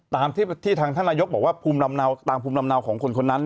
ตามที่ทางท่านนายกบอกว่าตามภูมิลำเนาของคนคนนั้น